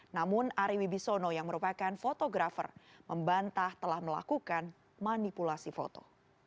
namun ari wibisono yang merupakan fotografer membantah telah melakukan manipulasi foto